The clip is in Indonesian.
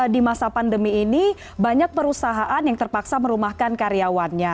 di masa pandemi ini banyak perusahaan yang terpaksa merumahkan karyawannya